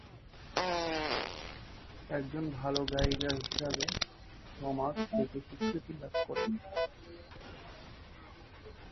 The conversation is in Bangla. একজন ভাল গায়িকা হিসাবে সমাজ থেকে স্বীকৃতি লাভ করেন।